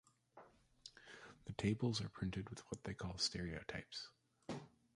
The tables are printed with what they call stereotypes